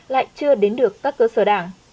lại chưa đến được các cơ sở đảng